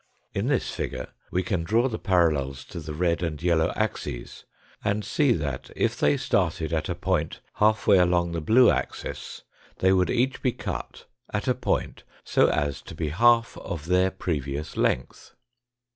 In this figure we can draw the parallels to the red and yellow axes and see that, if they started at a point half way along the blue axis, they would each be cut at a point so as to be half of their previous length.